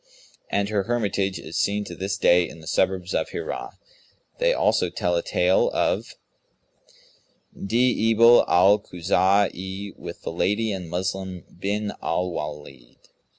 And her hermitage is seen to this day in the suburbs of Hirah. They also tell a tale of DI'IBIL AL KHUZA'I WITH THE LADY AND MUSLIM BIN AL WALID.